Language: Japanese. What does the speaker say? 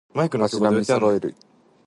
足並み揃えていこう